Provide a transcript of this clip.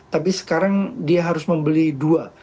tapi sekarang dia harus membeli dua